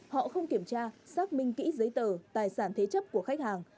họ không kiểm tra xác minh kỹ giấy tờ tài sản thế chấp của khách hàng